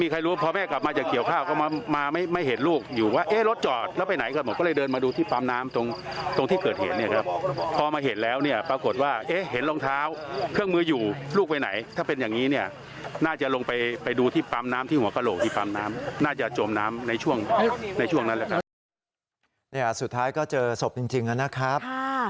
สุดท้ายก็เจอศพจริงนะครับ